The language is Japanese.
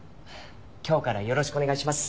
今日からよろしくお願いします